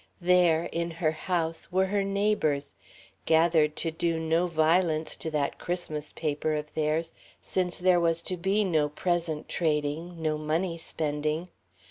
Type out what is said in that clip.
There, in her house, were her neighbours, gathered to do no violence to that Christmas paper of theirs, since there was to be no "present trading," no "money spending."